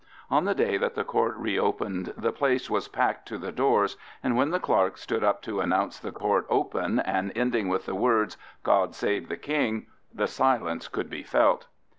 On the day that the Court reopened the place was packed to the doors, and when the clerk stood up to announce the Court open, and ending with the words, "God save the King!" the silence could be felt.